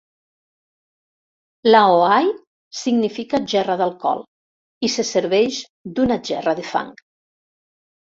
"Lao hai" significa "gerra d'alcohol" i se serveix d'una gerra de fang.